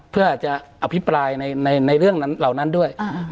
เพื่อจะอภิปรายในเรื่องเหล่านั้นด้วย